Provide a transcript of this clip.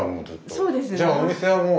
そうです。